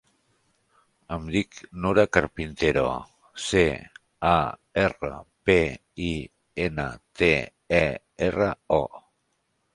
Em dic Nura Carpintero: ce, a, erra, pe, i, ena, te, e, erra, o.